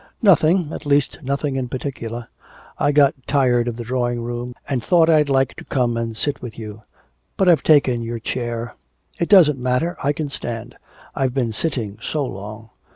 'Nothing, at least nothing in particular. I got tired of the drawing room, and thought I'd like to come and sit with you. But I've taken your chair.' 'It doesn't matter. I can stand, I've been sitting so long.'